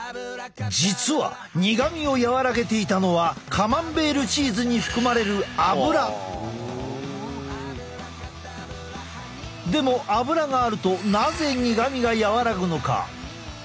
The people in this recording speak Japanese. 実は苦みを和らげていたのはカマンベールチーズに含まれるでもアブラがあるとなぜ苦みが和らぐのか？